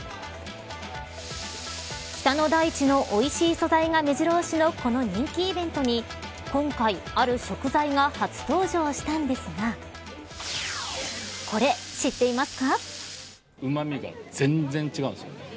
北の大地のおいしい素材がめじろ押しのこの人気イベントに今回、ある食材が初登場したんですがこれ、知っていますか。